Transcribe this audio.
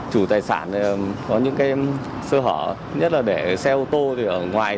chủ tài sản có những cái sơ hở nhất là để xe ô tô thì ở ngoài